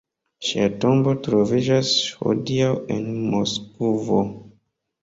Ŝia tombo troviĝas hodiaŭ en Moskvo.